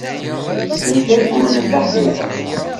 D nekk ay yumnen taḥkayt-a.